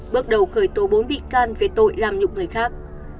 bước đầu khởi tố bốn bị can về tội làm nhục người khác